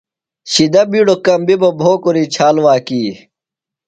شِدہ بِیڈوۡ کمبیۡ بہ، بھوکُری چھال واکی